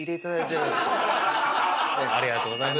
ありがとうございます。